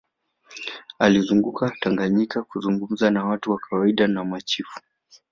alizunguka tanganyika kuzungumza na watu wa kawaida na machifu